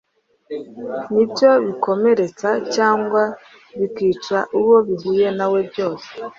nibyo bikomeretsa cyangwa bikica uwo bihuye nawe byose